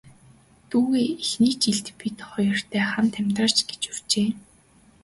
Дүүгээ эхний жил бид хоёртой хамт амьдраач гэж урьжээ.